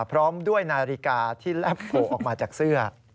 พร้อมด้วยนาฬิกาที่แลบโผล่ออกมาจากเสื้อ